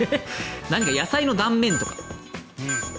野菜の断面とか。